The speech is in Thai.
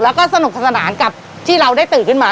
แล้วก็สนุกสนานกับที่เราได้ตื่นขึ้นมา